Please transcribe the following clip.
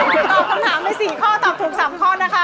ตอบคำถามไป๔ข้อตอบถูก๓ข้อนะคะ